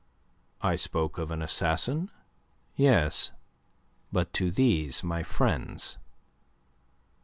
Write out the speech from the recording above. "I spoke of an assassin yes. But to these my friends."